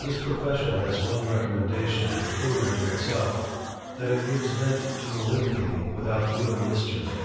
This profession has one recommendation peculiar to elf^ that it gives vent to malignity without real mischief.